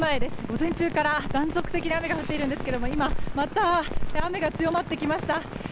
午前中から断続的に雨が降っているんですが今、また雨が強まってきました。